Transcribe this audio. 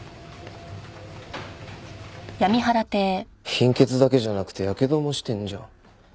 貧血だけじゃなくてやけどもしてんじゃん。